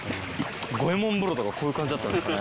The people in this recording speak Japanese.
五右衛門風呂とかこういう感じだったんですかね。